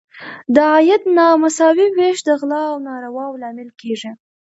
د عاید نامساوي ویش د غلا او نارواوو لامل کیږي.